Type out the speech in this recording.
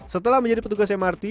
setelah menjadi petugas mrt